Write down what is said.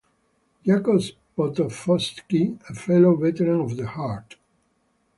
Jacob Potofsky, a fellow veteran of the Hart.